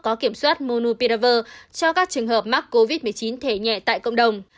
có kiểm soát monopidavir cho các trường hợp mắc covid một mươi chín thể nhẹ tại cộng đồng